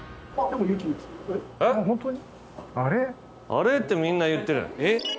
「あれ？」ってみんな言ってる。